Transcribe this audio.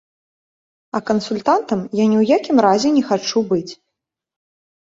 А кансультантам я ні ў якім разе не хачу быць.